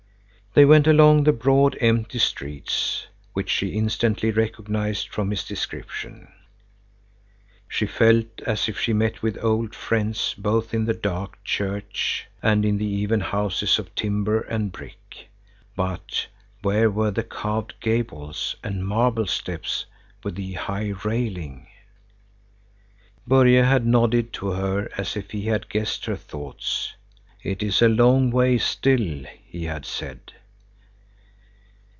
They went along the broad, empty streets, which she instantly recognized from his description. She felt as if she met with old friends both in the dark church and in the even houses of timber and brick; but where were the carved gables and marble steps with the high railing? Börje had nodded to her as if he had guessed her thoughts. "It is a long way still," he had said.